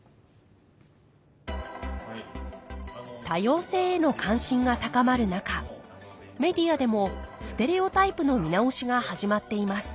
多様性への関心が高まる中メディアでもステレオタイプの見直しが始まっています